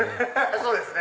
そうですね。